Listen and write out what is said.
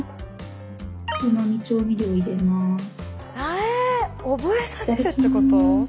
え覚えさせるってこと？